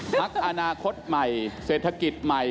พักอนาคตใหม่เศรษฐกิจใหม่